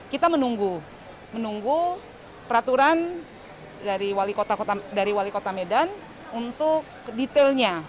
kita menunggu peraturan dari wali kota medan untuk detailnya